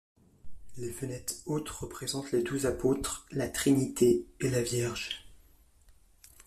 Les fenêtres hautes représentent les douze apôtres, la Trinité et la Vierge.